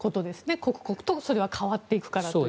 刻々とそれは変わっていくからという。